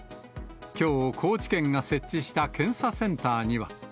きょう、高知県が設置した検査センターには。